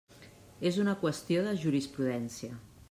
És una qüestió de jurisprudència.